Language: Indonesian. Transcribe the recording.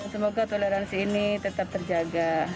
semoga toleransi ini tetap terjaga